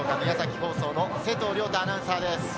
放送の瀬藤亮太アナウンサーです。